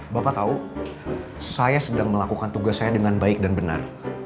bapak tahu saya sedang melakukan tugas saya dengan baik dan benar